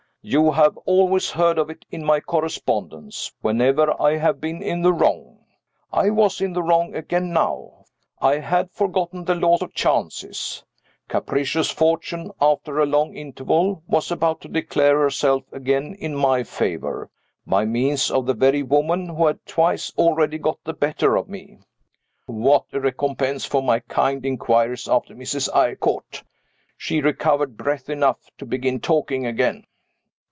You have always heard of it in my correspondence, whenever I have been in the wrong. I was in the wrong again now I had forgotten the law of chances. Capricious Fortune, after a long interval, was about to declare herself again in my favor, by means of the very woman who had twice already got the better of me. What a recompense for my kind inquiries after Mrs. Eyrecourt! She recovered breath enough to begin talking again.